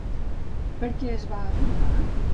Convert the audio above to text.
Per què es va aprovar?